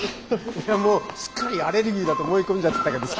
もうすっかりアレルギーだと思い込んじゃってたけどさ。